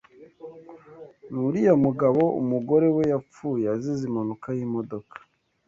Nuriya mugabo umugore we yapfuye azize impanuka yimodoka?